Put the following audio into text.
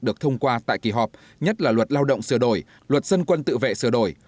được thông qua tại kỳ họp nhất là luật lao động sửa đổi luật dân quân tự vệ sửa đổi